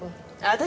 私？